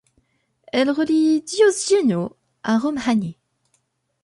Elle relie Diósjenő à Romhány.